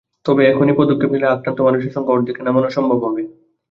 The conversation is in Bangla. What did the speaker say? তবে এখনই পদক্ষেপ নিলে আক্রান্ত মানুষের সংখ্যা অর্ধেকে নামানো সম্ভব হবে।